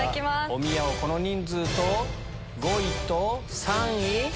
おみやをこの人数と５位と３位。